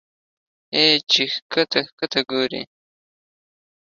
اې چې ښکته ښکته ګورې